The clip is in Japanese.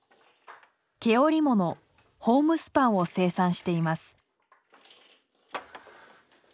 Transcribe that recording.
毛織物ホームスパンを生産しています。